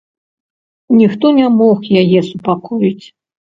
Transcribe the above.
Ніхто не мог яе супакоіць.